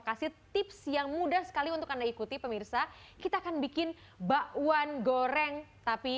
kasih tips yang mudah sekali untuk anda ikuti pemirsa kita akan bikin bakwan goreng tapi